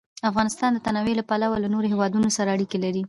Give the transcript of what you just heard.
افغانستان د تنوع له پلوه له نورو هېوادونو سره اړیکې لري.